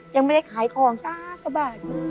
ยังไม่ได้ขายของก็บ่ด